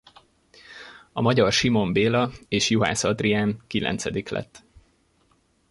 A magyar Simon Béla és Juhász Adrián kilencedik lett.